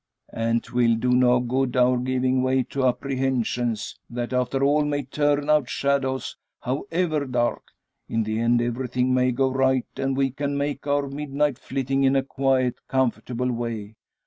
And 'twill do no good our giving way to apprehensions, that after all may turn out shadows, however dark. In the end everything may go right, and we can make our midnight flitting in a quiet, comfortable way.